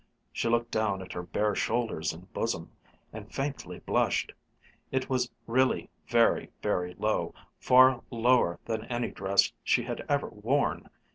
She looked down at her bare shoulders and bosom, and faintly blushed. It was really very, very low, far lower than any dress she had ever worn!